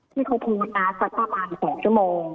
ที่เขาโพสต์นะสักประมาณ๒ชั่วโมง